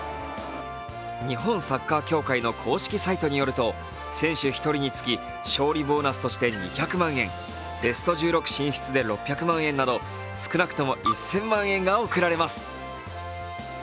日本サッカー協会の公式サイトによると選手１人につき勝利ボーナスとして２００万円、ベスト１６進出で６００万円など少なくとも１０００万円が贈られます。